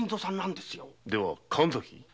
では神崎？